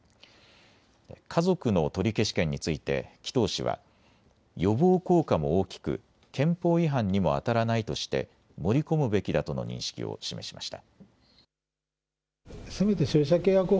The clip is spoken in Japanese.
家族の取消権について紀藤氏は予防効果も大きく憲法違反にもあたらないとして盛り込むべきだとの認識を示しました。